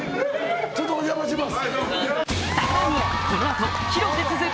ちょっとお邪魔します。